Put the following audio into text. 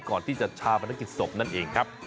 ก่อนที่จะชาปนกิจศพนั่นเองครับ